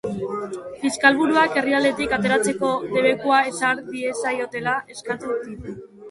Fiskalburuak herrialdetik ateratzeko debekua ezar diezaiotela eskatu du.